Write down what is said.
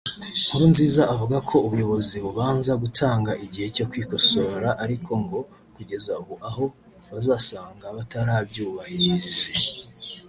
Nkurunziza avuga ko ubuyobozi bubanza gutanga igihe cyo kwikosora ariko ngo kugeza ubu aho bazasanga batarabyubahirije